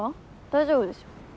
大丈夫でしょ。